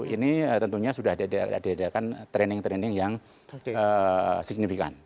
ini tentunya sudah diadakan training training yang signifikan